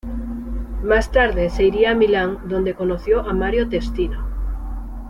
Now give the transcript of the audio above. Más tarde ser iría a Milán donde conoció a Mario Testino.